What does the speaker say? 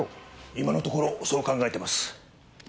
今のところそう考えてます。